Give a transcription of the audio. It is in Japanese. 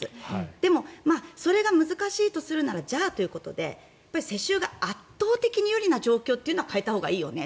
でも、それが難しいとするならじゃあということで世襲が圧倒的に有利な状況というのは変えたほうがいいよね。